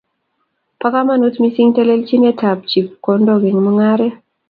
Bo komonut mising telelchinetab chepkondok eng' mungaret